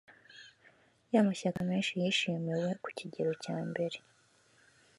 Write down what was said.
y amashyaka menshi yishimiwe ku kigero cyambere